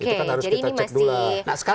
oke jadi ini masih